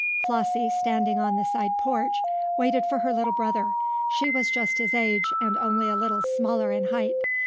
Flossie, standing on the side porch, waited for her little brother. She was just his age, and only a little smaller in height.